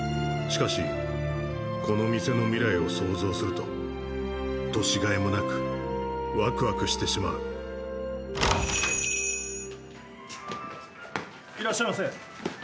しかしこの店の未来を想像すると年がいもなくわくわくしてしまう・いらっしゃいませ。